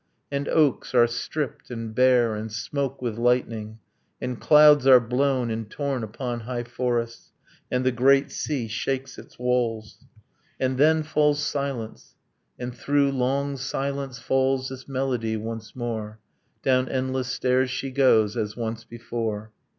And oaks are stripped and bare, and smoke with lightning: And clouds are blown and torn upon high forests, And the great sea shakes its walls. And then falls silence ... And through long silence falls This melody once more: 'Down endless stairs she goes, as once before.'